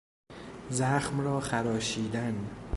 زخم را خراشیدن